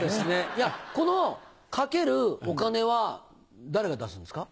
いやこの賭けるお金は誰が出すんですか？